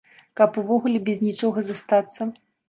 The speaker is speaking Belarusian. Каб увогуле без нічога застацца?